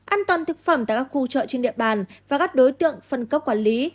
an toàn thực phẩm tại các khu chợ trên địa bàn và các đối tượng phân cấp quản lý